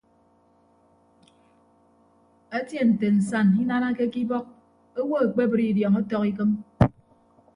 Etie nte nsañ inanake ke ibọk owo ekpebre idiọñ ọtọk ikịm.